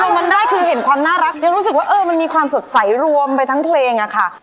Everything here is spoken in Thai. วันแรกคือเห็นความน่ารักยังรู้สึกว่าเออมันมีความสดใสรวมไปทั้งเพลงอะค่ะ